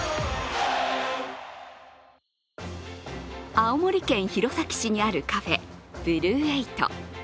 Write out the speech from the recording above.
青森県弘前市にあるカフェ、ブルーエイト。